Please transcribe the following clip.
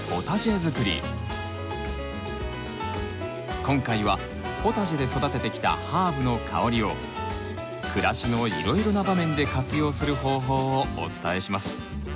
今回はポタジェで育ててきたハーブの香りを暮らしのいろいろな場面で活用する方法をお伝えします。